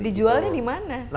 dijualnya di mana